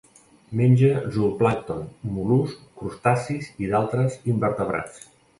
Menja zooplàncton, mol·luscs, crustacis i d'altres invertebrats.